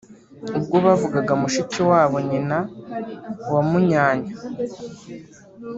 Ubwo bavugaga mushiki wabo nyina wa Munyanya